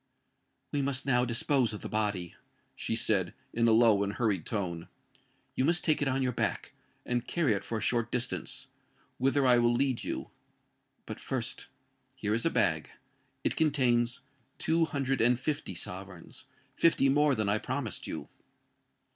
"We must now dispose of the body," she said, in a low and hurried tone. "You must take it on your back, and carry it for a short distance, whither I will lead you. But, first—here is a bag: it contains two hundred and fifty sovereigns—fifty more than I promised you."